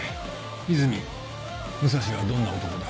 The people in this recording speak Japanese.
和泉武蔵はどんな男だ？